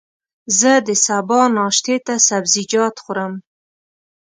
زه د سبا ناشتې ته سبزيجات خورم.